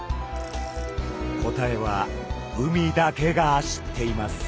答えは海だけが知っています。